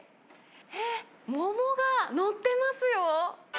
えっ、桃が載ってますよ。